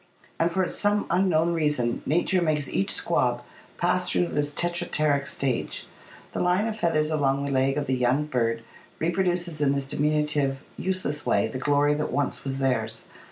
And for some unknown reason, nature makes each squab pass through this Tetrapteryx stage. The line of feathers along the leg of the young bird reproduces in this diminutive, useless way the glory that once was theirs.